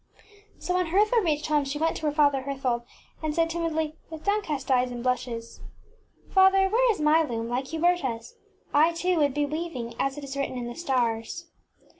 ŌĆÖ So, when Hertha reached home, she went to her father Herthold, and said, timidly, with downcast eyes and blushes, ŌĆśFather ŌĆö where is my loom, like Huber taŌĆÖs? I, too, would be weaving as it is written in the stars.